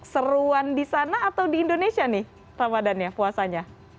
seruan di sana atau di indonesia nih ramadannya puasanya